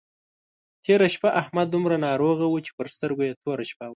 تېره شپه احمد دومره ناروغ وو چې پر سترګو يې توره شپه وه.